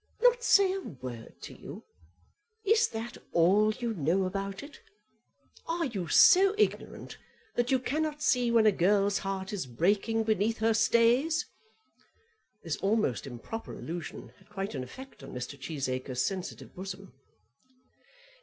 "Not say a word to you? Is that all you know about it? Are you so ignorant that you cannot see when a girl's heart is breaking beneath her stays?" This almost improper allusion had quite an effect on Mr. Cheesacre's sensitive bosom.